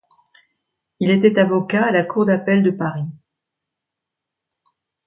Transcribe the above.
Il était avocat à la cour d'appel de Paris.